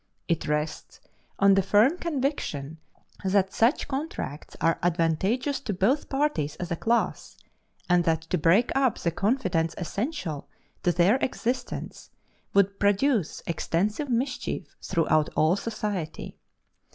It rests on the firm conviction that such contracts are advantageous to both parties as a class, and that to break up the confidence essential to their existence would produce extensive mischief throughout all society.